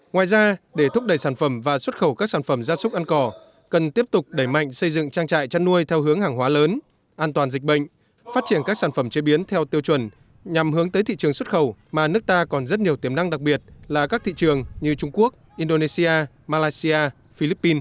ngoài ra để thúc đẩy sản phẩm và xuất khẩu các sản phẩm gia súc ăn cỏ cần tiếp tục đẩy mạnh xây dựng trang trại chăn nuôi theo hướng hàng hóa lớn an toàn dịch bệnh phát triển các sản phẩm chế biến theo tiêu chuẩn nhằm hướng tới thị trường xuất khẩu mà nước ta còn rất nhiều tiềm năng đặc biệt là các thị trường như trung quốc indonesia malaysia philippines